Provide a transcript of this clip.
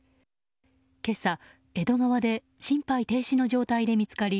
今朝、江戸川で心肺停止の状態で見つかり